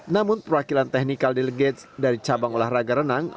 namun perwakilan teknikal delegates dari cabang olahraga renang